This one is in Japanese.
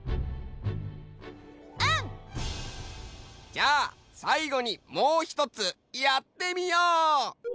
じゃあさいごにもうひとつやってみよう！